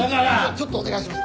ちょっとお願いします。